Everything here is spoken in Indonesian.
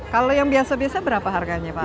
kalau yang biasa biasa berapa harganya pak